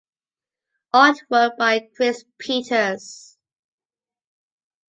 Artwork by Chris Peters.